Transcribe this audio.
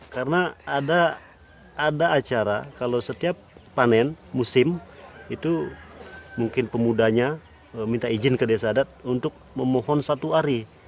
karena ada acara kalau setiap panen musim itu mungkin pemudanya minta izin ke desa adat untuk memohon satu hari